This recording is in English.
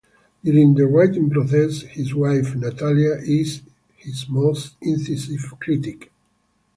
During the writing process, his wife, Natalia, is his most incisive critic.